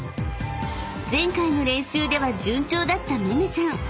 ［前回の練習では順調だっためめちゃん］